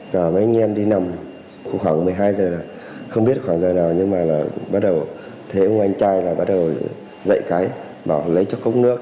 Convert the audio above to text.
mấy anh em đi nằm khoảng một mươi hai giờ không biết khoảng giờ nào nhưng mà bắt đầu thấy ông anh trai bắt đầu dậy cái bảo lấy cho cốc nước